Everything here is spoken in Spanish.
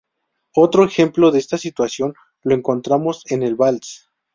Otro ejemplo de esta situación, lo encontramos en el vals.